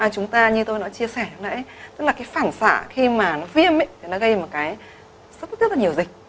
chúng ta như tôi đã chia sẻ lúc nãy tức là cái phản xạ khi mà nó viêm thì nó gây một cái rất rất rất là nhiều dịch